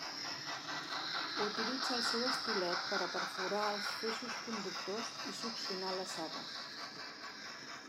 Utilitza el seu estilet per a perforar els feixos conductors i succionar la saba.